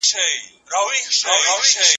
پانګوال نظام د بې وزلو خلګو وینه زبېښي.